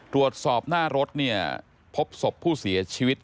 ตรวจสอบหน้ารถเนี่ยพบศพผู้เสียชีวิต